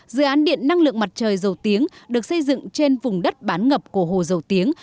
dự án điện năng lượng mặt trời dầu tiếng được xây dựng trên vùng đất bán ngập của hồ dầu tiếng